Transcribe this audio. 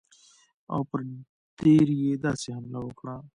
او پر دیر یې داسې حمله وکړه.